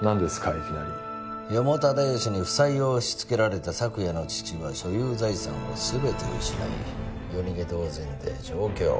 いきなり四方忠良に負債を押し付けられた朔也の父は所有財産を全て失い夜逃げ同然で上京